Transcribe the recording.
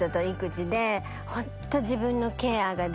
ホント。